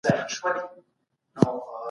هغه په پوره چوپتیا سره خپل کار ته دوام ورکاوه.